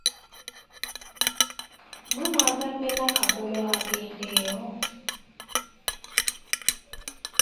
Mmwe mwagambye Nnakagolo agendeyo?